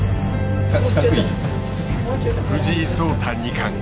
藤井聡太二冠。